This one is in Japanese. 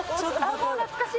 もう懐かしい。